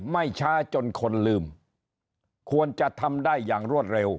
ไม่ช้าจนคนลืมควรจะทำได้อย่างรวดเร็ว